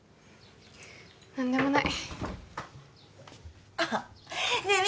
何でもないねえ